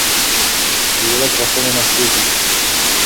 د ولس غوښتنې مشروع دي